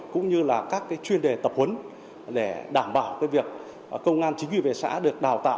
cũng như là các chuyên đề tập huấn để đảm bảo việc công an chính quy về xã được đào tạo